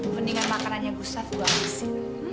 mendingan makanannya gustaf gue isi